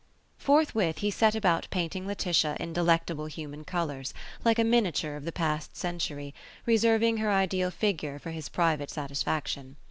Forthwith he set about painting Laetitia in delectable human colours, like a miniature of the past century, reserving her ideal figure for his private satisfaction.